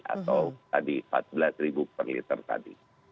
atau empat belas per liter tadi